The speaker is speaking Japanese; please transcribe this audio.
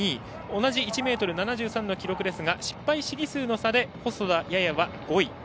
同じ１ｍ７３の記録ですが失敗試技数の差で細田弥々は５位。